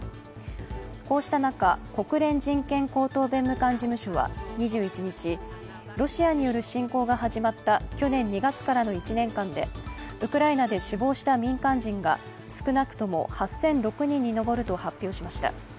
こうした中、国連人権高等弁務官事務所は２１日、ロシアによる侵攻が始まった去年２月からの１年間でウクライナで死亡した民間人が少なくとも８００６人に上ると発表しました。